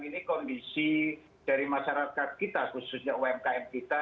ini kondisi dari masyarakat kita khususnya umkm kita